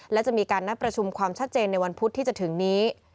และจะมีการนัดประชุมความชัดเจนในวันพุธที่จะถึงนี้